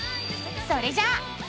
それじゃあ。